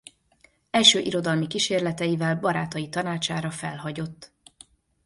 Első irodalmi kísérleteivel barátai tanácsára felhagyott.